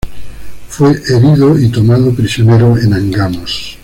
Fue herido y tomado prisionero en Angamos.